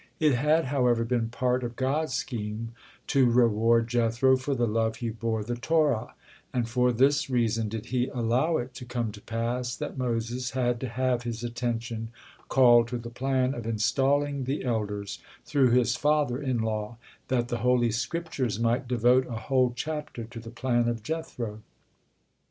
It had, however, been part of God's scheme to reward Jethro for the love he bore the Torah; and for this reason did He allow it to come to pass that Moses had to have his attention called to the plan of installing the elders through his father in law, that the Holy Scriptures might devote a whole chapter to the plan of Jethro.